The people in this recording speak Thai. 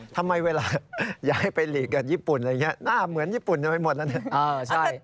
ทำไมเวลาย้ายไปหลีกกับญี่ปุ่นอะไรอย่างนี้หน้าเหมือนญี่ปุ่นเอาไปหมดแล้วเนี่ย